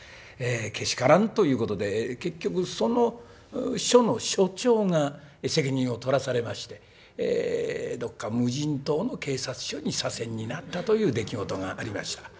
けしからんということで結局その署の署長が責任を取らされましてどっか無人島の警察署に左遷になったという出来事がありました。